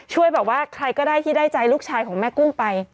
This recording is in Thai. ช่วยแบบว่าใครก็ได้ที่ได้ใจลูกชายของแม่กุ้งไป